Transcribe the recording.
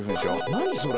何それ。